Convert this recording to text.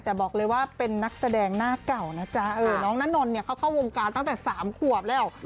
แต่บอกเลยว่าเป็นนักแสดงหน้าเก่านะจ๊ะน้องนานนท์เนี่ยเขาเข้าวงการตั้งแต่๓ขวบแล้ว